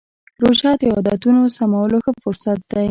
روژه د عادتونو سمولو ښه فرصت دی.